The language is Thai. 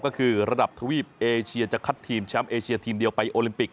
ก็คือระดับทวีปเอเชียจะคัดทีมแชมป์เอเชียทีมเดียวไปโอลิมปิก